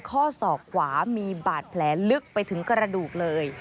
ข้อศอกขวามีบาดแผลลึกไปถึงกระดูกเลย